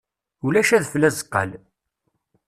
Ulac adfel azeqqal.